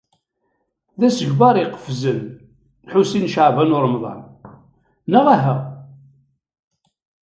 D asegbar iqefzen, Lḥusin n Caɛban u Ṛemḍan: neɣ aha?